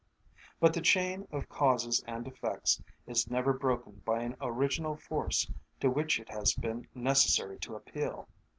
But the chain of causes and effects is never broken by an original force to which it has been necessary to appeal.